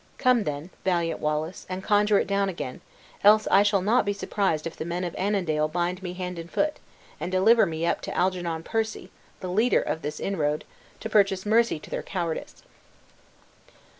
Come then, valiant Wallace, and conjure it down again, else I shall not be surprised if the men of Annandale bind me hand and foot, and deliver me up to Algernon Percy (the leader of this inroad), to purchase mercy to their cowardice."